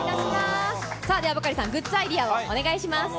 さあ、ではバカリさん、グッズアイデアをお願いします。